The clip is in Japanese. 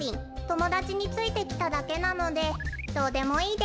ともだちについてきただけなのでどうでもいいです。